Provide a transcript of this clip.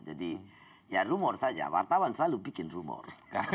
jadi ya rumor saja wartawan selalu bikin rumor